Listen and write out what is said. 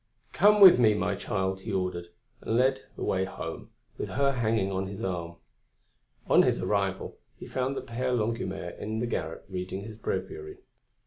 "Come with me, my child," he ordered, and led the way home, with her hanging on his arm. On his arrival, he found the Père Longuemare in the garret reading his breviary.